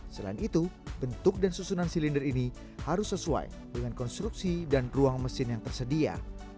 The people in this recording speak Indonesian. selain itu bentuk dan susunan silinder ini harus sesuai dengan konstruksi dan ruang mesin yang tersedia